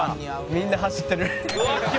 「みんな走ってる」